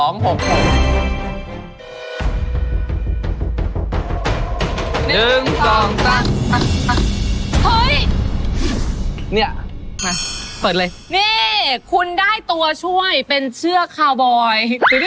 นี่คุณได้ตัวช่วยเป็นเชือกคาวบอย